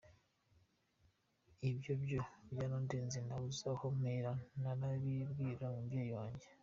Ibyo byo byarandenze nabuze aho mpera nanabibwira umubyeyi wanjye.